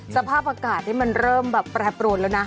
สภาพอากาศนี่มันเริ่มแบบแปรปรวนแล้วนะ